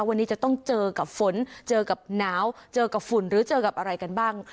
วันนี้จะต้องเจอกับฝนเจอกับหนาวเจอกับฝุ่นหรือเจอกับอะไรกันบ้าง